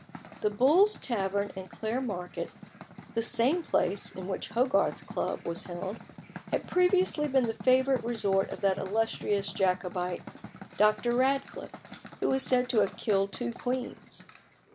The Bull's Head Tavern in Clare Market, the same place in which Hogarth's club was held, had previously been the favourite resort of that illustrious Jacobite, Dr. Radcliffe, who is said to have killed two queens.